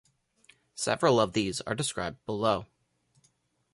Several of these are described below.